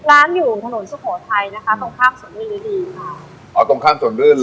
ร้านอยู่ถนนสุโขทัยนะคะตรงข้ามส่วนรื่นเลยค่ะ